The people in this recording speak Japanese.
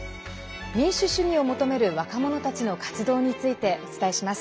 民主主義を求める若者たちの活動についてお伝えします。